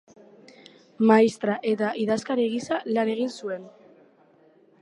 Maistra eta idazkari gisa lan egin zuen.